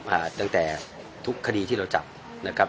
ตั้งแต่ทุกคดีที่เราจับนะครับ